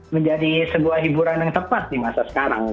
menjadi sebuah hiburan yang tepat di masa sekarang